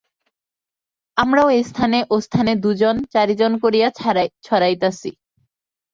আমরাও এ স্থানে ও স্থানে দুই চারিজন করিয়া ছড়াইতেছি।